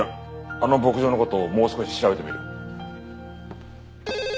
あの牧場の事をもう少し調べてみる。